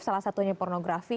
salah satunya pornografi